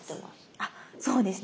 あっそうですね。